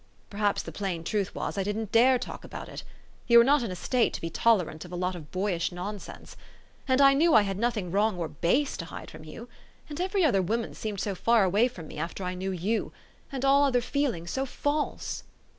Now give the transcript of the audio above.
Perhaps the plain truth was, I didn't dare talk about it. You were not in a state to be tolerant of a lot of boyish nonsense. And I knew I had nothing wrong or base to hide from you. And every other woman seemed so far away from me after I knew you ! and all other feeling so false